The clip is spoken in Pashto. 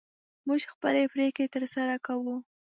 موږ خپلې پرېکړې تر سره کوو.